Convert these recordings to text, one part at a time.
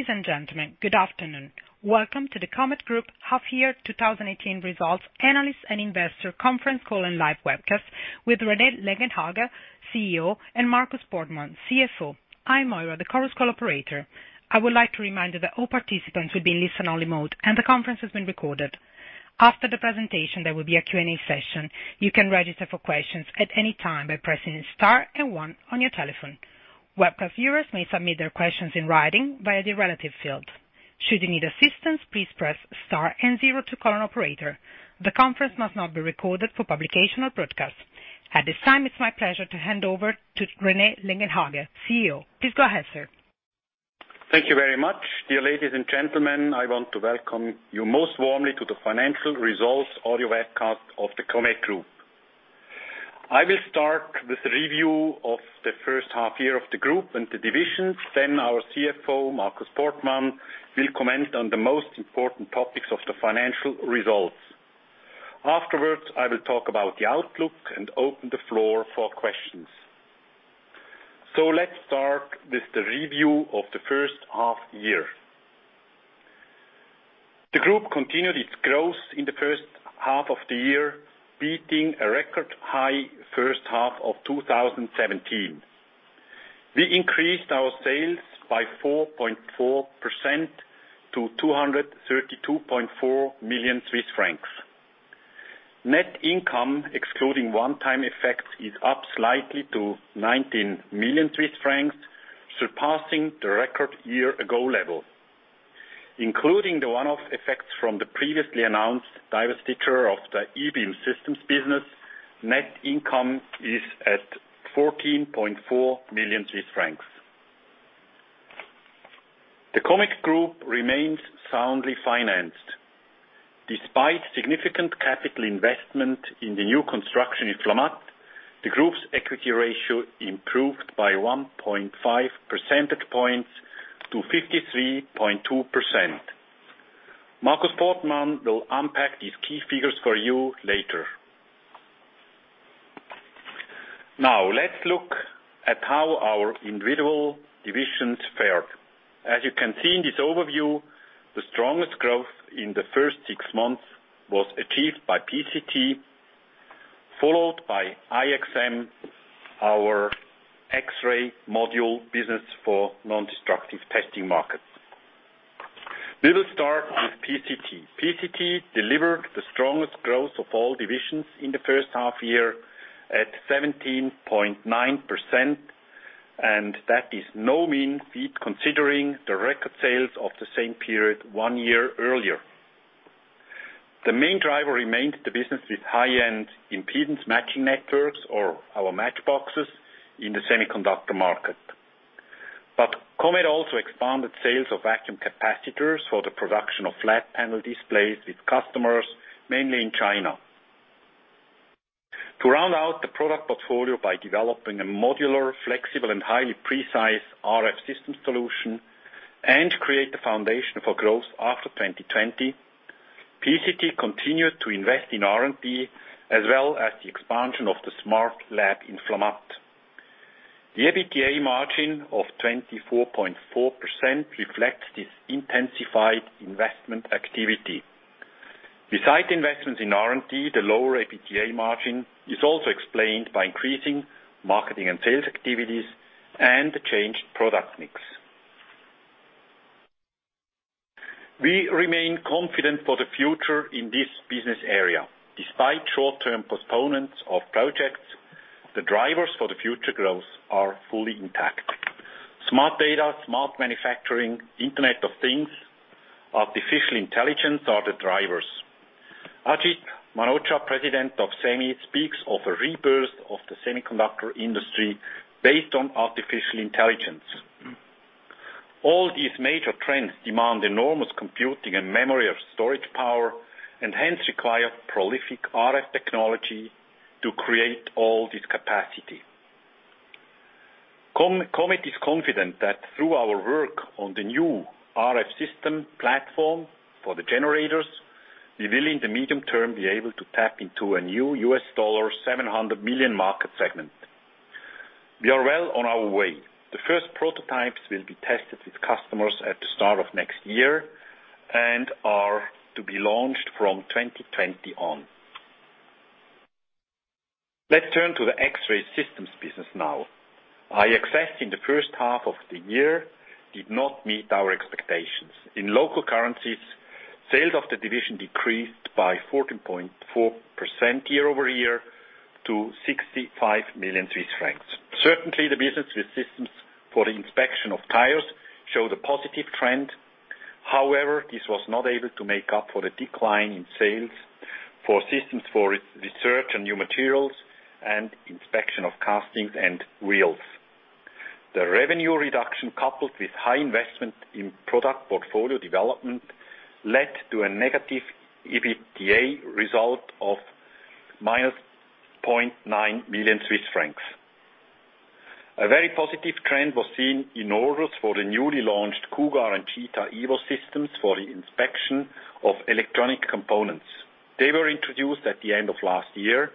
Ladies and gentlemen, good afternoon. Welcome to the Comet Group Half Year 2018 Results Analyst and Investor Conference Call and live webcast with René Lenggenhager, CEO, and Markus Portmann, CFO. I'm Moira, the Chorus Call operator. I would like to remind you that all participants will be in listen-only mode, and the conference is being recorded. After the presentation, there will be a Q&A session. You can register for questions at any time by pressing star and one on your telephone. Webcast viewers may submit their questions in writing via the relative field. Should you need assistance, please press star and zero to call an operator. The conference must not be recorded for publication or broadcast. At this time, it's my pleasure to hand over to René Lenggenhager, CEO. Please go ahead, sir. Thank you very much. Dear ladies and gentlemen, I want to welcome you most warmly to the financial results audio webcast of the Comet Group. I will start with a review of the first half year of the group and the divisions. Our CFO, Markus Portmann, will comment on the most important topics of the financial results. Afterwards, I will talk about the outlook and open the floor for questions. Let's start with the review of the first half year. The group continued its growth in the first half of the year, beating a record high first half of 2017. We increased our sales by 4.4% to CHF 232.4 million. Net income, excluding one-time effects, is up slightly to 19 million Swiss francs, surpassing the record year ago level. Including the one-off effects from the previously announced divestiture of the ebeam systems business, net income is at 14.4 million Swiss francs. The Comet Group remains soundly financed. Despite significant capital investment in the new construction in Flamatt, the group's equity ratio improved by 1.5 percentage points to 53.2%. Markus Portmann will unpack these key figures for you later. Let's look at how our individual divisions fared. As you can see in this overview, the strongest growth in the first six months was achieved by PCT, followed by IXM, our X-ray module business for non-destructive testing markets. We will start with PCT. PCT delivered the strongest growth of all divisions in the first half year at 17.9%, that is no mean feat considering the record sales of the same period one year earlier. The main driver remained the business with high-end impedance matching networks or our Match boxes in the semiconductor market. Comet also expanded sales of vacuum capacitors for the production of flat panel displays with customers, mainly in China. To round out the product portfolio by developing a modular, flexible, and highly precise RF system solution and create the foundation for growth after 2020, PCT continued to invest in R&D as well as the expansion of the smart lab in Flamatt. The EBITDA margin of 24.4% reflects this intensified investment activity. Besides investments in R&D, the lower EBITDA margin is also explained by increasing marketing and sales activities and the changed product mix. We remain confident for the future in this business area. Despite short-term postponements of projects, the drivers for the future growth are fully intact. Smart data, smart manufacturing, Internet of Things, artificial intelligence are the drivers. Ajit Manocha, President of SEMI, speaks of a rebirth of the semiconductor industry based on artificial intelligence. All these major trends demand enormous computing and memory of storage power, and hence require prolific RF technology to create all this capacity. Comet is confident that through our work on the new RF system platform for the generators, we will, in the medium term, be able to tap into a new $700 million market segment. We are well on our way. The first prototypes will be tested with customers at the start of next year and are to be launched from 2020 on. Let's turn to the X-ray systems business now. IXS in the first half of the year did not meet our expectations. In local currencies, sales of the division decreased by 14.4% year-over-year to 65 million Swiss francs. Certainly, the business with systems for the inspection of tires showed a positive trend. However, this was not able to make up for the decline in sales for systems for research and new materials and inspection of castings and wheels. The revenue reduction, coupled with high investment in product portfolio development, led to a negative EBITDA result of minus 0.9 million Swiss francs. A very positive trend was seen in orders for the newly launched Cougar EVO and Cheetah EVO systems for the inspection of electronic components. They were introduced at the end of last year and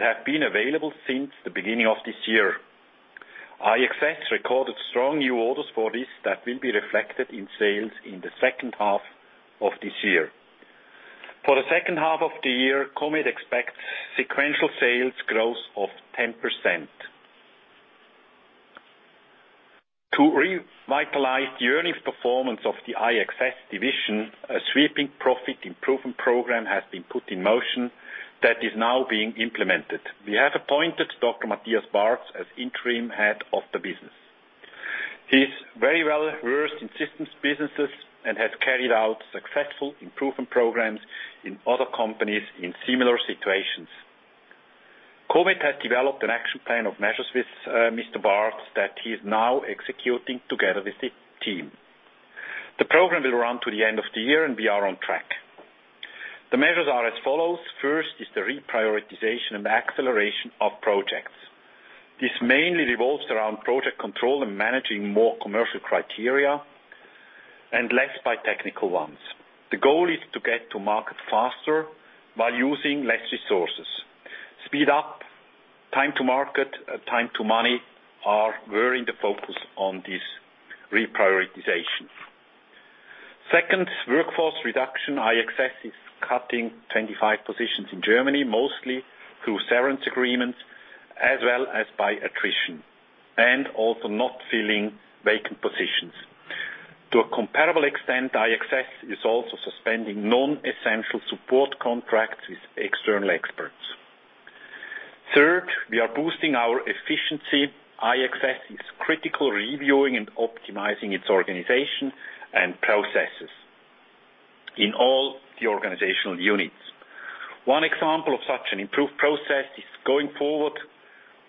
have been available since the beginning of this year. IXS recorded strong new orders for this that will be reflected in sales in the second half of this year. For the second half of the year, Comet expects sequential sales growth of 10%. To revitalize the earnings performance of the IXS division, a sweeping profit improvement program has been put in motion that is now being implemented. We have appointed Dr. Matthias Barz as interim head of the business. He is very well-versed in systems businesses and has carried out successful improvement programs in other companies in similar situations. Comet has developed an action plan of measures with Mr. Barz that he is now executing together with his team. The program will run to the end of the year, and we are on track. The measures are as follows. First is the reprioritization and acceleration of projects. This mainly revolves around project control and managing more commercial criteria, and less by technical ones. The goal is to get to market faster while using less resources. Speed up, time to market, time to money are really the focus on this reprioritization. Second, workforce reduction. IXS is cutting 25 positions in Germany, mostly through severance agreements as well as by attrition, and also not filling vacant positions. To a comparable extent, IXS is also suspending non-essential support contracts with external experts. Third, we are boosting our efficiency. IXS is critically reviewing and optimizing its organization and processes in all the organizational units. One example of such an improved process is going forward,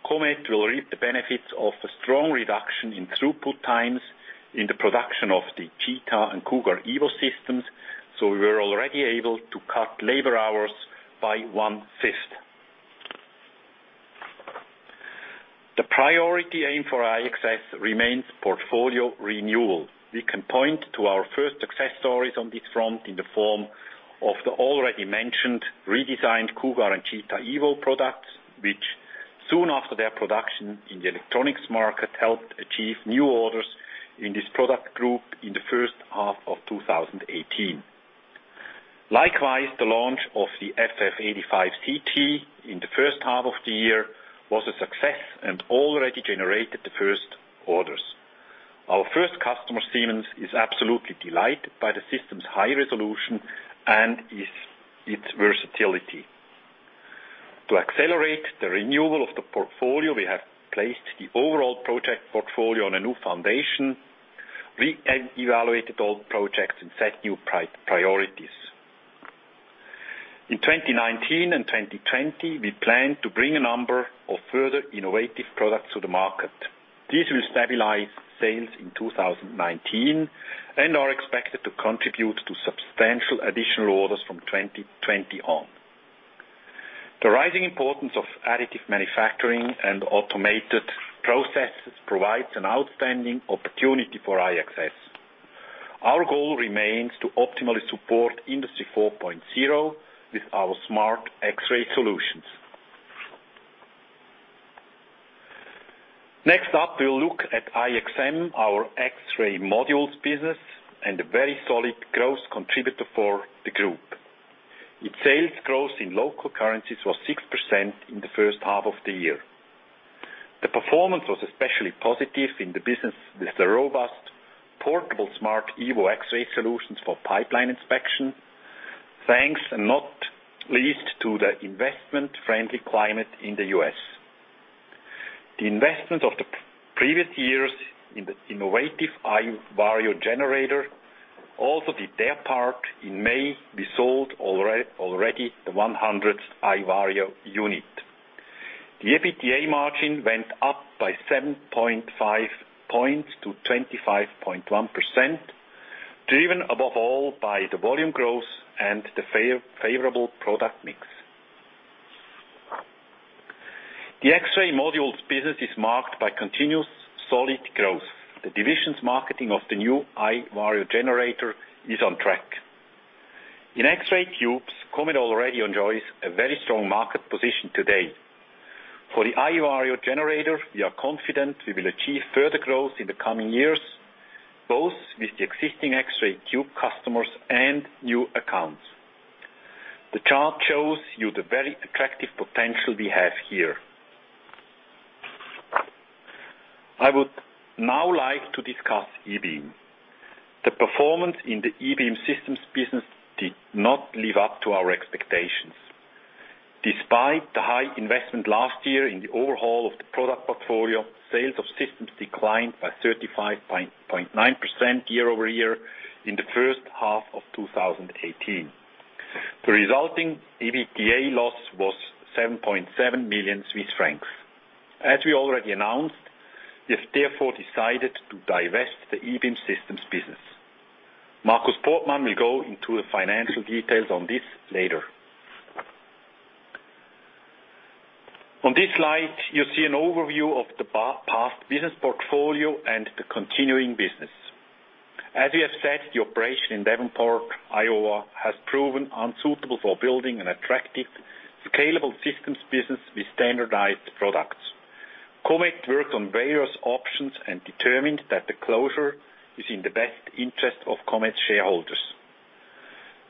Comet will reap the benefits of a strong reduction in throughput times in the production of the Cheetah EVO and Cougar EVO systems. We were already able to cut labor hours by one-fifth. The priority aim for IXS remains portfolio renewal. We can point to our first success stories on this front in the form of the already mentioned redesigned Cougar EVO and Cheetah EVO products, which soon after their production in the electronics market, helped achieve new orders in this product group in the first half of 2018. Likewise, the launch of the FF85 CT in the first half of the year was a success and already generated the first orders. Our first customer, Siemens, is absolutely delighted by the system's high resolution and its versatility. To accelerate the renewal of the portfolio, we have placed the overall project portfolio on a new foundation, re-evaluated all projects, and set new priorities. In 2019 and 2020, we plan to bring a number of further innovative products to the market. These will stabilize sales in 2019 and are expected to contribute to substantial additional orders from 2020 on. The rising importance of additive manufacturing and automated processes provides an outstanding opportunity for IXS. Our goal remains to optimally support Industry 4.0 with our smart X-ray solutions. Next up, we'll look at IXM, our X-ray modules business, and a very solid growth contributor for the group. Its sales growth in local currencies was 6% in the first half of the year. The performance was especially positive in the business with the robust Portable Smart Evo X-ray solutions for pipeline inspection, thanks and not least to the investment-friendly climate in the U.S. The investment of the previous years in the innovative iVario generator also did their part. In May, we sold already the 100th iVario unit. The EBITDA margin went up by 7.5 points to 25.1%, driven above all by the volume growth and the favorable product mix. The X-ray modules business is marked by continuous solid growth. The division's marketing of the new iVario generator is on track. In X-ray tubes, Comet already enjoys a very strong market position today. For the iVario generator, we are confident we will achieve further growth in the coming years, both with the existing X-ray tube customers and new accounts. The chart shows you the very attractive potential we have here. I would now like to discuss ebeam. The performance in the ebeam systems business did not live up to our expectations. Despite the high investment last year in the overhaul of the product portfolio, sales of systems declined by 35.9% year-over-year in the first half of 2018. The resulting EBITDA loss was 7.7 million Swiss francs. As we already announced, we have therefore decided to divest the ebeam systems business. Markus Portmann will go into the financial details on this later. On this slide, you see an overview of the past business portfolio and the continuing business. As we have said, the operation in Davenport, Iowa, has proven unsuitable for building an attractive, scalable systems business with standardized products. Comet worked on various options and determined that the closure is in the best interest of Comet shareholders.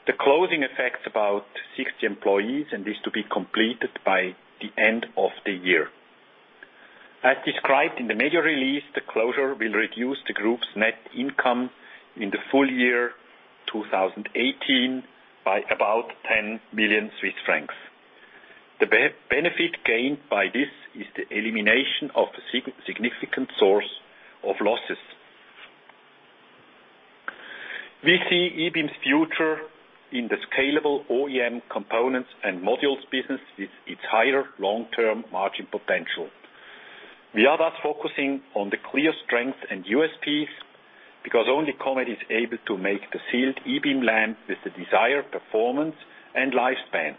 The closing affects about 60 employees and is to be completed by the end of the year. As described in the major release, the closure will reduce the group's net income in the full year 2018 by about 10 million Swiss francs. The benefit gained by this is the elimination of a significant source of losses. We see ebeam's future in the scalable OEM components and modules business with its higher long-term margin potential. We are thus focusing on the clear strength and USPs, because only Comet is able to make the sealed ebeam lamp with the desired performance and lifespan.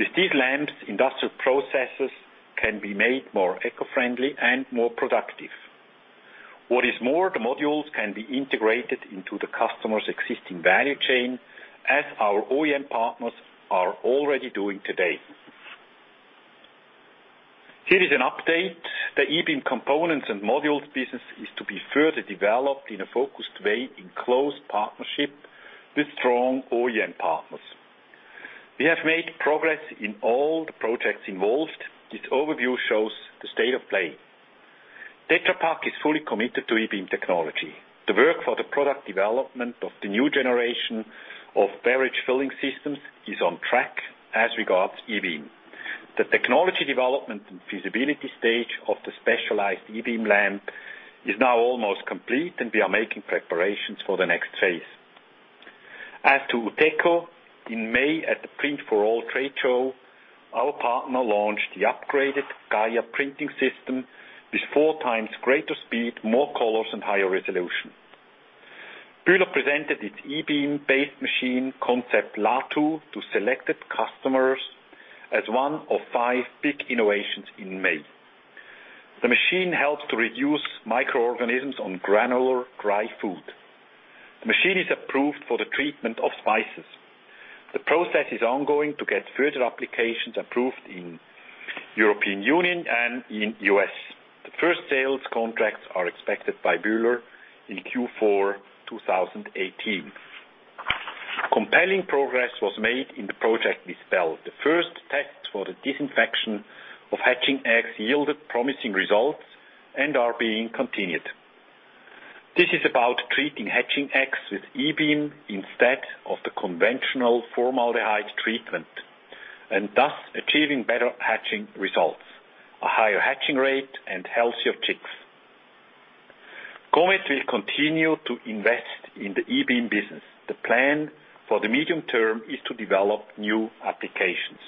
With these lamps, industrial processes can be made more eco-friendly and more productive. What is more, the modules can be integrated into the customer's existing value chain, as our OEM partners are already doing today. Here is an update. The ebeam components and modules business is to be further developed in a focused way in close partnership with strong OEM partners. We have made progress in all the projects involved. This overview shows the state of play. Tetra Pak is fully committed to ebeam technology. The work for the product development of the new generation of beverage filling systems is on track as regards ebeam. The technology development and feasibility stage of the specialized ebeam lamp is now almost complete, and we are making preparations for the next phase. As to Uteco, in May at the Print4All trade show, our partner launched the upgraded GAIA printing system with four times greater speed, more colors, and higher resolution. Bühler presented its ebeam-based machine concept, Laatu, to selected customers as one of five big innovations in May. The machine helps to reduce microorganisms on granular dry food. The machine is approved for the treatment of spices. The process is ongoing to get further applications approved in European Union and in U.S. The first sales contracts are expected by Bühler in Q4 2018. Compelling progress was made in the project with Spelt. The first tests for the disinfection of hatching eggs yielded promising results and are being continued. This is about treating hatching eggs with ebeam instead of the conventional formaldehyde treatment, and thus achieving better hatching results, a higher hatching rate, and healthier chicks. Comet will continue to invest in the ebeam business. The plan for the medium term is to develop new applications.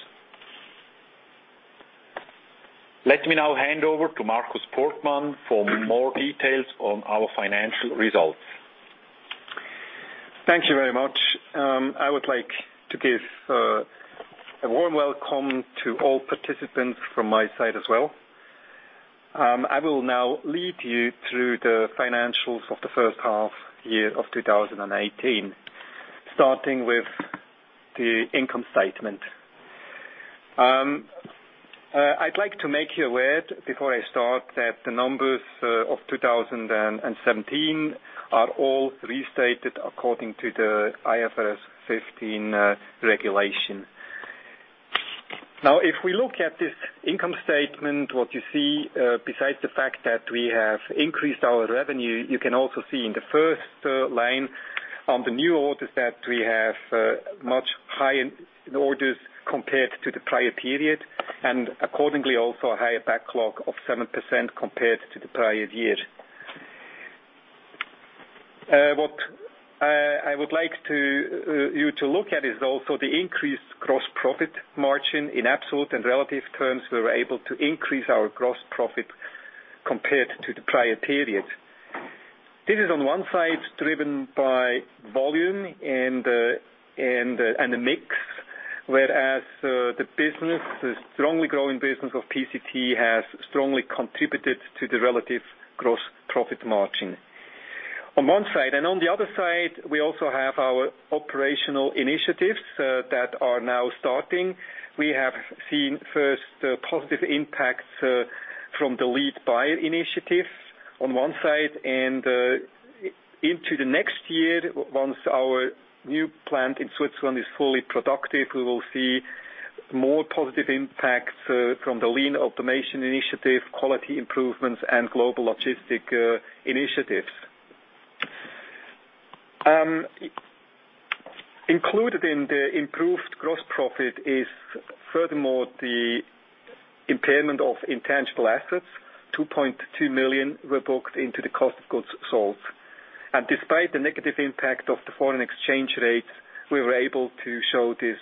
Let me now hand over to Markus Portmann for more details on our financial results. Thank you very much. I would like to give a warm welcome to all participants from my side as well. I will now lead you through the financials of the first half year of 2018, starting with the income statement. I'd like to make you aware before I start that the numbers of 2017 are all restated according to the IFRS 15 regulation. Now, if we look at this income statement, what you see, besides the fact that we have increased our revenue, you can also see in the first line on the new orders that we have much higher orders compared to the prior period, and accordingly, also a higher backlog of 7% compared to the prior year. What I would like you to look at is also the increased gross profit margin in absolute and relative terms. We were able to increase our gross profit compared to the prior period. This is on one side driven by volume and the mix, whereas the business, the strongly growing business of PCT has strongly contributed to the relative gross profit margin on one side. On the other side, we also have our operational initiatives that are now starting. We have seen first positive impacts from the lead buying initiative on one side, and into the next year, once our new plant in Switzerland is fully productive, we will see more positive impacts from the lean automation initiative, quality improvements, and global logistic initiatives. Included in the improved gross profit is furthermore the impairment of intangible assets. 2.2 million were booked into the cost of goods sold. Despite the negative impact of the foreign exchange rates, we were able to show this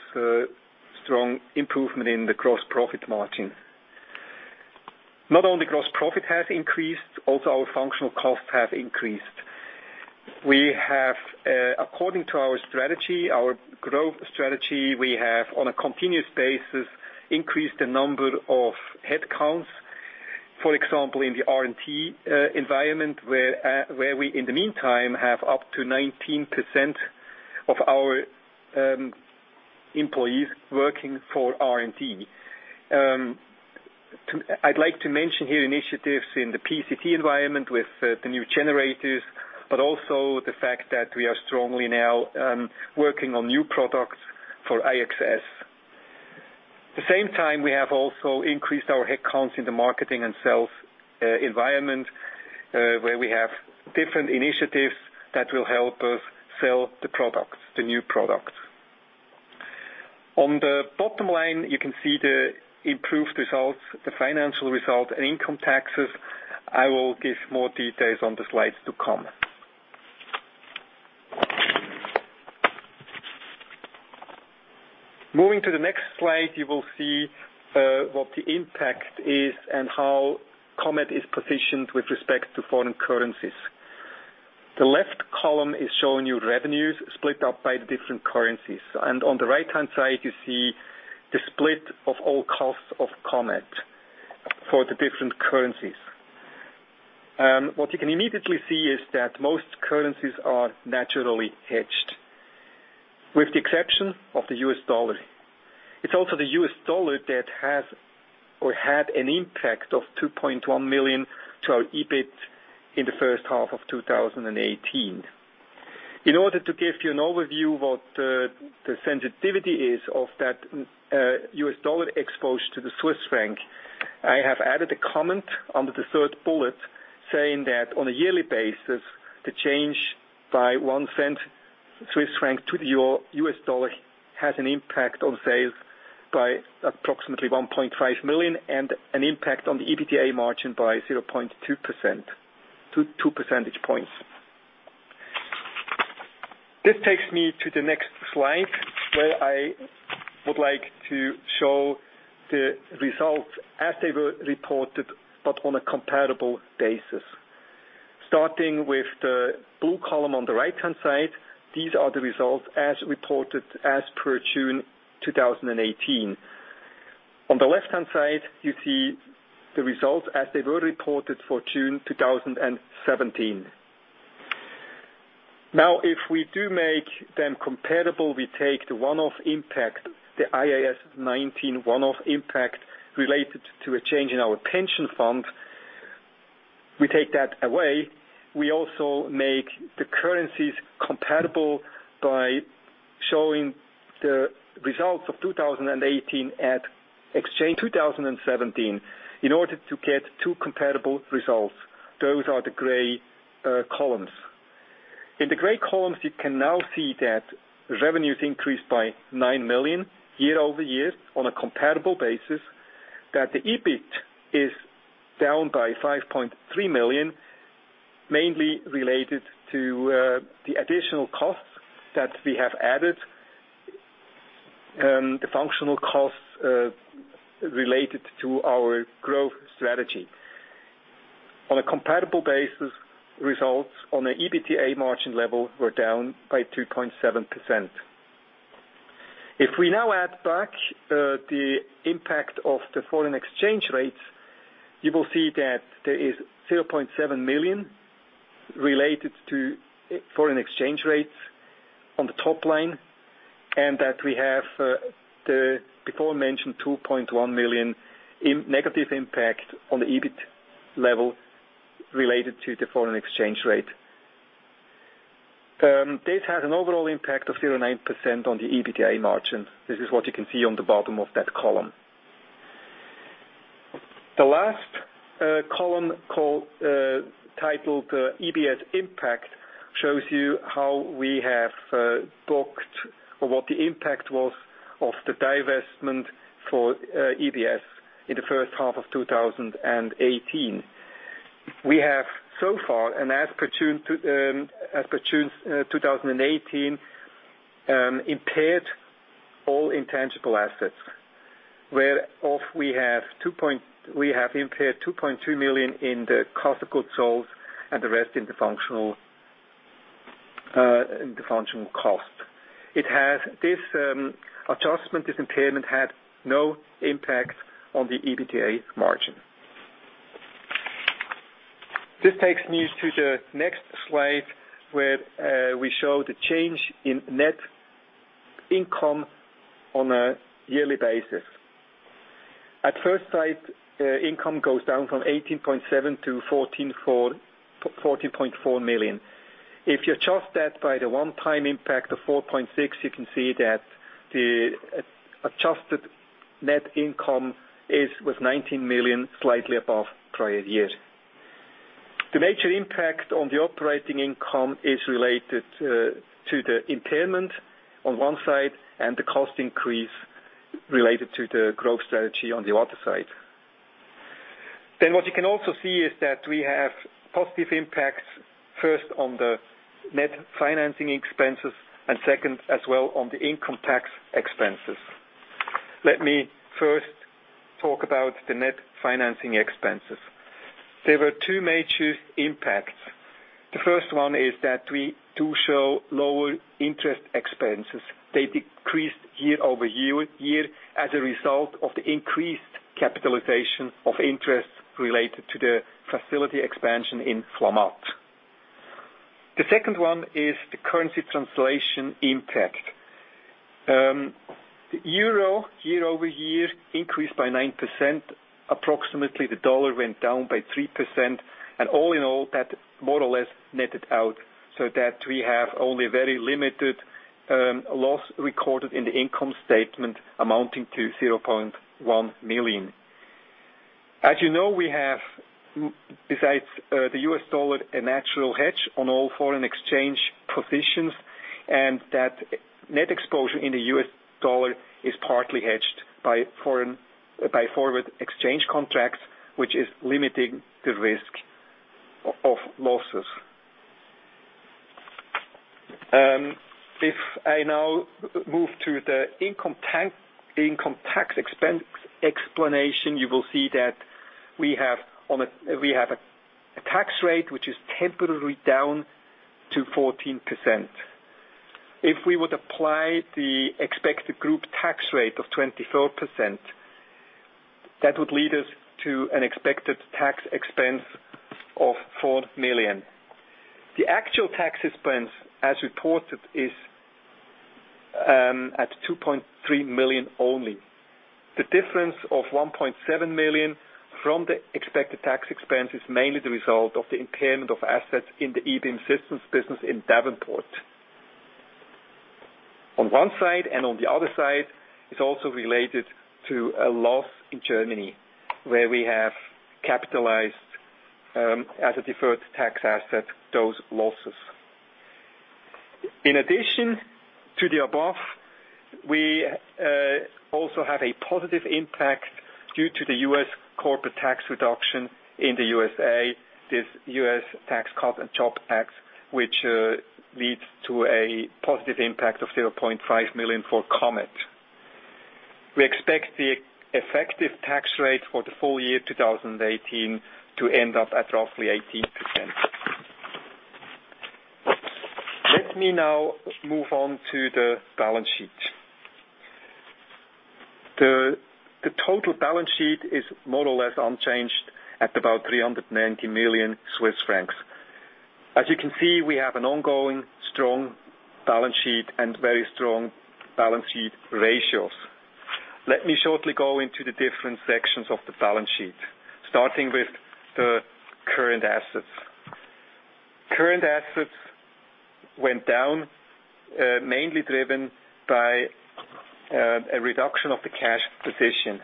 strong improvement in the gross profit margin. Not only gross profit has increased, also our functional costs have increased. According to our growth strategy, we have on a continuous basis increased the number of headcounts. For example, in the R&T environment, where we, in the meantime, have up to 19% of our employees working for R&T. I'd like to mention here initiatives in the PCT environment with the new generators, but also the fact that we are strongly now working on new products for IXS. The same time, we have also increased our headcounts in the marketing and sales environment, where we have different initiatives that will help us sell the new products. On the bottom line, you can see the improved results, the financial result, and income taxes. I will give more details on the slides to come. Moving to the next slide, you will see what the impact is and how Comet is positioned with respect to foreign currencies. The left column is showing you revenues split up by the different currencies, and on the right-hand side, you see the split of all costs of Comet for the different currencies. What you can immediately see is that most currencies are naturally hedged, with the exception of the U.S. dollar. It's also the U.S. dollar that has or had an impact of 2.1 million to our EBIT in the first half of 2018. In order to give you an overview what the sensitivity is of that U.S. dollar exposure to the Swiss franc, I have added a comment under the third bullet saying that on a yearly basis, the change by 0.01 Swiss franc to the U.S. dollar has an impact on sales by approximately 1.5 million and an impact on the EBITDA margin by 0.2% to two percentage points. This takes me to the next slide, where I would like to show the results as they were reported, but on a comparable basis. Starting with the blue column on the right-hand side, these are the results as reported as per June 2018. On the left-hand side, you see the results as they were reported for June 2017. Now, if we do make them comparable, we take the IAS 19 one-off impact related to a change in our pension fund. We take that away. We also make the currencies compatible by showing the results of 2018 at exchange 2017 in order to get two comparable results. Those are the gray columns. In the gray columns, you can now see that revenues increased by 9 million year-over-year on a comparable basis, that the EBIT is down by 5.3 million, mainly related to the additional costs that we have added, the functional costs related to our growth strategy. On a comparable basis, results on the EBITDA margin level were down by 2.7%. If we now add back the impact of the foreign exchange rates, you will see that there is 0.7 million related to foreign exchange rates on the top line, and that we have the before mentioned 2.1 million negative impact on the EBIT level related to the foreign exchange rate. This has an overall impact of 0.9% on the EBITDA margin. This is what you can see on the bottom of that column. The last column titled EBS Impact shows you what the impact was of the divestment for EBS in the first half of 2018. We have so far, and as per June 2018, impaired all intangible assets, where we have impaired 2.2 million in the cost of goods sold and the rest in the functional cost. This adjustment, this impairment had no impact on the EBITDA margin. This takes me to the next slide where we show the change in net income on a yearly basis. At first sight, income goes down from 18.7 million to 14.4 million. If you adjust that by the one-time impact of 4.6 million, you can see that the adjusted net income was 19 million, slightly above prior years. What you can also see is that we have positive impacts first on the Net financing expenses, and second, as well on the income tax expenses. Let me first talk about the net financing expenses. There were two major impacts. The first one is that we do show lower interest expenses. They decreased year-over-year as a result of the increased capitalization of interest related to the facility expansion in Flamatt. The second one is the currency translation impact. The EUR year-over-year increased by 9%, approximately the USD went down by 3%, and all in all, that more or less netted out so that we have only very limited loss recorded in the income statement amounting to 0.1 million. As you know, we have, besides the US dollar, a natural hedge on all foreign exchange positions, and that net exposure in the US dollar is partly hedged by forward exchange contracts, which is limiting the risk of losses. If I now move to the income tax explanation, you will see that we have a tax rate, which is temporarily down to 14%. If we would apply the expected group tax rate of 24%, that would lead us to an expected tax expense of 4 million. The actual tax expense as reported is at 2.3 million only. The difference of 1.7 million from the expected tax expense is mainly the result of the impairment of assets in the eBeam Systems business in Davenport. On one side and on the other side, it is also related to a loss in Germany, where we have capitalized, as a deferred tax asset, those losses. In addition to the above, we also have a positive impact due to the U.S. corporate tax reduction in the U.S. This Tax Cuts and Jobs Act, which leads to a positive impact of 0.5 million for Comet. We expect the effective tax rate for the full year 2018 to end up at roughly 18%. Let me now move on to the balance sheet. The total balance sheet is more or less unchanged at about 390 million Swiss francs. As you can see, we have an ongoing strong balance sheet and very strong balance sheet ratios. Let me shortly go into the different sections of the balance sheet, starting with the current assets. Current assets went down, mainly driven by a reduction of the cash position.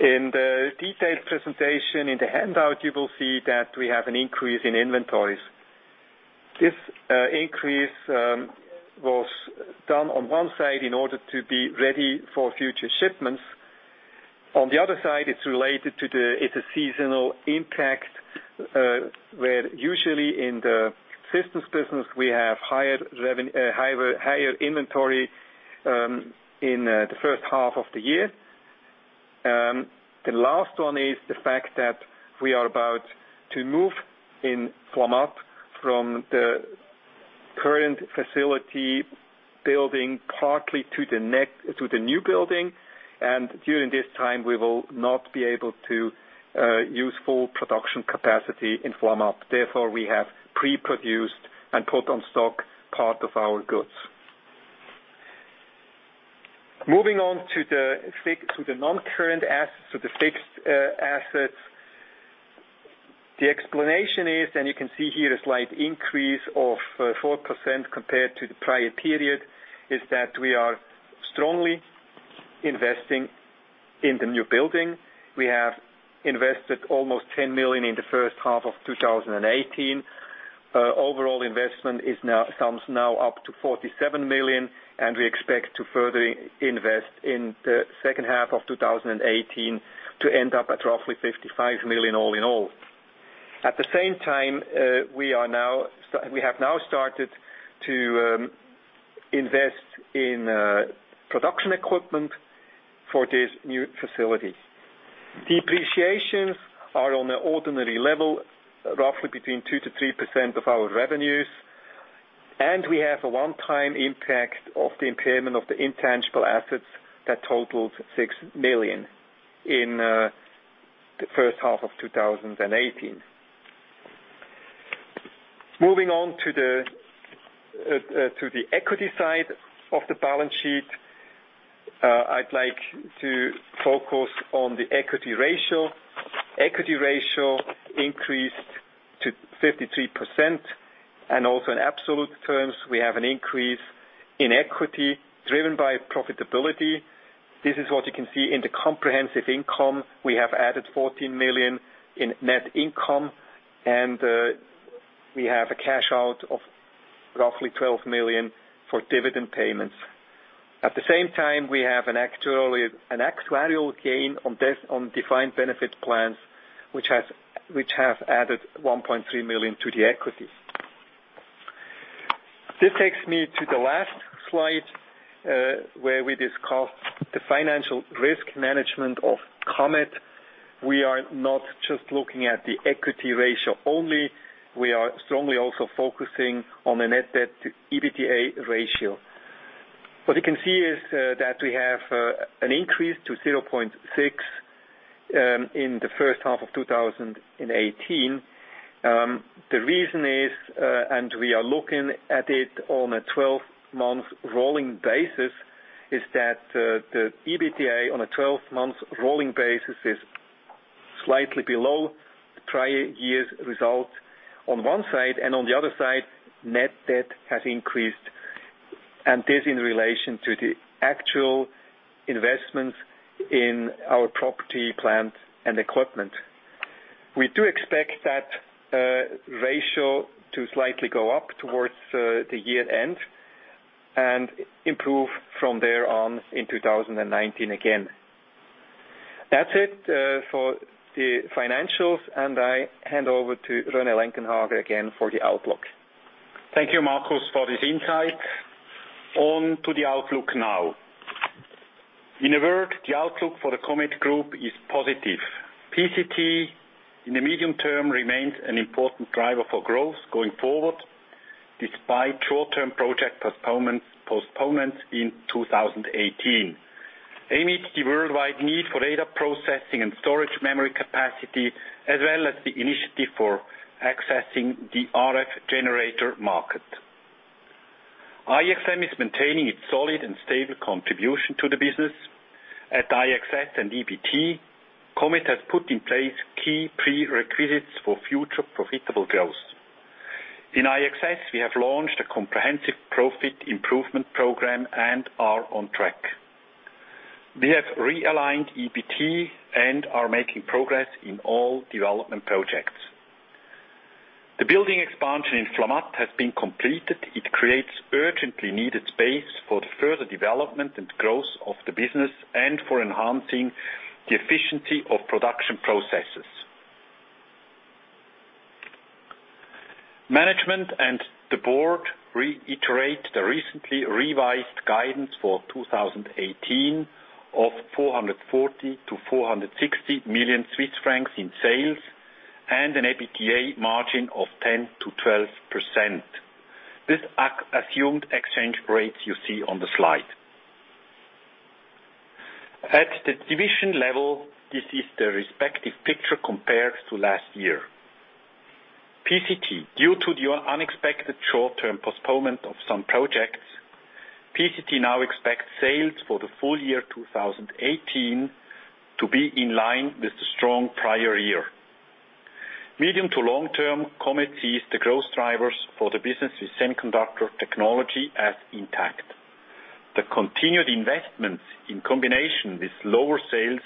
In the detailed presentation in the handout, you will see that we have an increase in inventories. This increase was done on one side in order to be ready for future shipments. On the other side, it's a seasonal impact, where usually in the systems business, we have higher inventory in the first half of the year. The last one is the fact that we are about to move in Flamatt from the current facility building partly to the new building, and during this time, we will not be able to use full production capacity in Flamatt. Therefore, we have pre-produced and put on stock part of our goods. Moving on to the non-current assets or the fixed assets. The explanation is, and you can see here a slight increase of 4% compared to the prior period, is that we are strongly investing in the new building. We have invested almost 10 million in the first half of 2018. Overall investment sums now up to 47 million. We expect to further invest in the second half of 2018 to end up at roughly 55 million all in all. At the same time, we have now started to invest in production equipment for this new facility. Depreciations are on an ordinary level, roughly between 2%-3% of our revenues, and we have a one-time impact of the impairment of the intangible assets that totaled 6 million in the first half of 2018. Moving on to the equity side of the balance sheet. I'd like to focus on the equity ratio. Equity ratio increased to 53%, and also in absolute terms, we have an increase in equity driven by profitability. This is what you can see in the comprehensive income. We have added 14 million in net income, and we have a cash out of roughly 12 million for dividend payments. At the same time, we have an actuarial gain on defined benefit plans, which have added 1.3 million to the equity. This takes me to the last slide, where we discuss the financial risk management of Comet. We are not just looking at the equity ratio only. We are strongly also focusing on the net debt to EBITDA ratio. What you can see is that we have an increase to 0.6 in the first half of 2018. The reason is, we are looking at it on a 12-month rolling basis, is that the EBITDA on a 12-month rolling basis is slightly below the prior year's result on one side and on the other side, net debt has increased, and this in relation to the actual investments in our property, plant, and equipment. We do expect that ratio to slightly go up towards the year-end and improve from there on in 2019 again. That's it for the financials, I hand over to René Lenggenhager again for the outlook. Thank you, Markus, for this insight. On to the outlook now. In a word, the outlook for the Comet Group is positive. PCT in the medium term remains an important driver for growth going forward, despite short-term project postponements in 2018. Amid the worldwide need for data processing and storage memory capacity, as well as the initiative for accessing the RF generator market. IXM is maintaining its solid and stable contribution to the business. At IXS and EBT, Comet has put in place key prerequisites for future profitable growth. In IXS, we have launched a comprehensive profit improvement program and are on track. We have realigned EBT and are making progress in all development projects. The building expansion in Flamatt has been completed. It creates urgently needed space for the further development and growth of the business and for enhancing the efficiency of production processes. Management and the board reiterate the recently revised guidance for 2018 of 440 million-460 million Swiss francs in sales and an EBITDA margin of 10%-12%. This assumed exchange rates you see on the slide. At the division level, this is the respective picture compared to last year. PCT, due to the unexpected short-term postponement of some projects, PCT now expects sales for the full year 2018 to be in line with the strong prior year. Medium to long term, Comet sees the growth drivers for the business with semiconductor technology as intact. The continued investments in combination with lower sales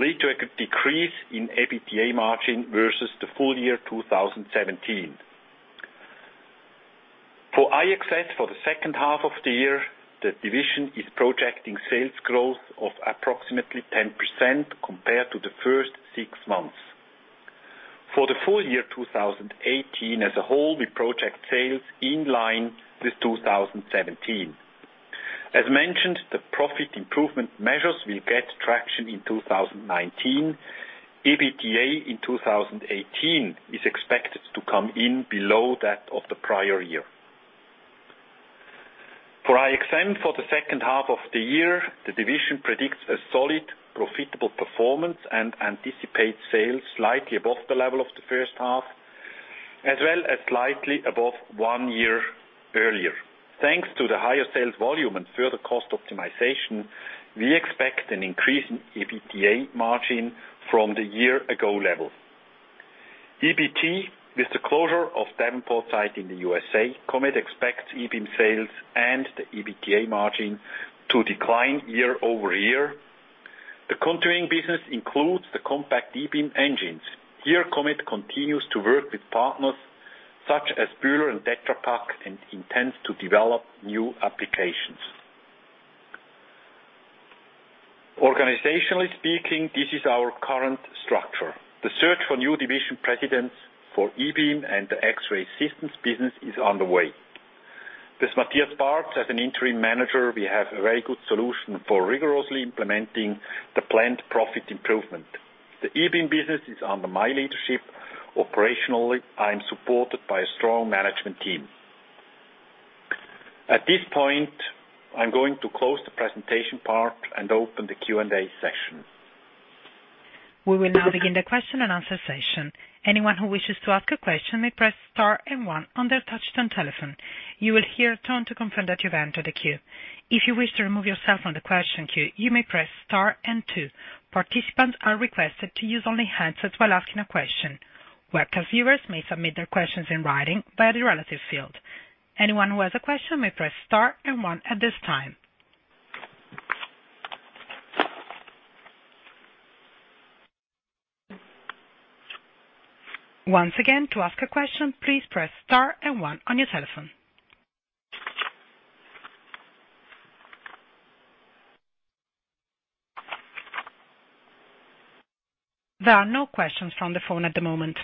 lead to a decrease in EBITDA margin versus the full year 2017. For IXS for the second half of the year, the division is projecting sales growth of approximately 10% compared to the first six months. For the full year 2018 as a whole, we project sales in line with 2017. As mentioned, the profit improvement measures will get traction in 2019. EBITDA in 2018 is expected to come in below that of the prior year. For IXM for the second half of the year, the division predicts a solid, profitable performance and anticipates sales slightly above the level of the first half, as well as slightly above one year earlier. Thanks to the higher sales volume and further cost optimization, we expect an increase in EBITDA margin from the year ago level. EBT, with the closure of Davenport site in the U.S., Comet expects ebeam sales and the EBITDA margin to decline year-over-year. The continuing business includes the compact ebeam engines. Here, Comet continues to work with partners such as Bühler and Tetra Pak and intends to develop new applications. Organizationally speaking, this is our current structure. The search for new division presidents for ebeam and the X-Ray Systems business is underway. With Matthias Barz as an interim manager, we have a very good solution for rigorously implementing the planned profit improvement. The ebeam business is under my leadership. Operationally, I am supported by a strong management team. At this point, I am going to close the presentation part and open the Q&A session. We will now begin the question and answer session. Anyone who wishes to ask a question may press star and one on their touch-tone telephone. You will hear a tone to confirm that you have entered the queue. If you wish to remove yourself from the question queue, you may press star and two. Participants are requested to use only handsets while asking a question. Webcast viewers may submit their questions in writing via the relative field. Anyone who has a question may press star and one at this time. Once again, to ask a question, please press star and one on your telephone. There are no questions from the phone at the moment.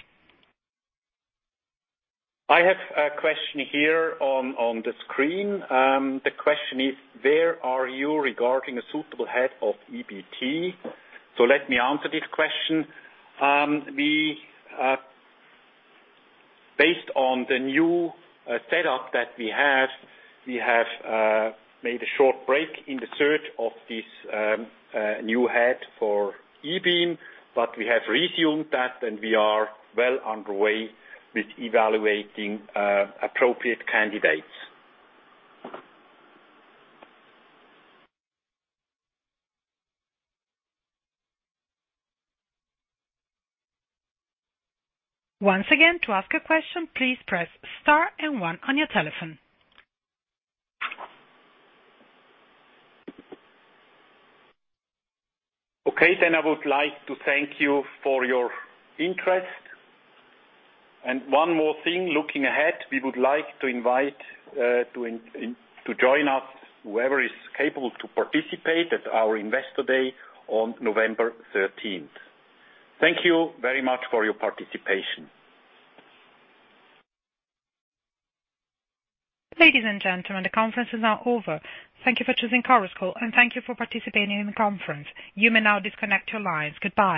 I have a question here on the screen. The question is: Where are you regarding a suitable head of ebeam? Let me answer this question. Based on the new setup that we have, we have made a short break in the search of this new head for ebeam, but we have resumed that, and we are well underway with evaluating appropriate candidates. Once again, to ask a question, please press star and one on your telephone. Okay, I would like to thank you for your interest. One more thing, looking ahead, we would like to invite to join us, whoever is capable to participate at our Investor Day on November 13th. Thank you very much for your participation. Ladies and gentlemen, the conference is now over. Thank you for choosing Chorus Call. Thank you for participating in the conference. You may now disconnect your lines. Goodbye